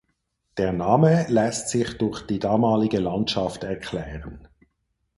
Der Name lässt sich durch die damalige Landschaft erklären.